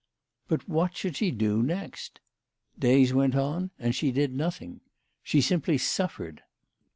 But what should she do next ? Days went on and she did nothing. She simply suffered.